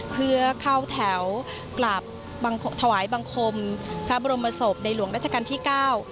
เพื่อเข้าแถวกลับถวายบังคมพระบรมศพในหลวงราชการที่เก้า